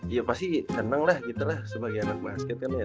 ya pasti senang lah gitu lah sebagai anak basket kan ya